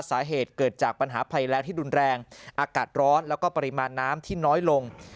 สาเหตุเกิดจากปัญหาภัยแรงที่รุนแรงอากาศร้อนแล้วก็ปริมาณน้ำที่น้อยลง